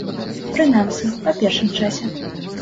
Прынамсі, па першым часе.